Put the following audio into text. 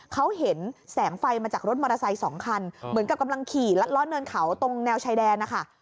เขาเห็นแสงไฟมาจากรถมอเตอร์ไซค์สองคันเหมือนกับกำลังขี่รัดล้อเนินเขาตรงแนวชายแดนนะคะ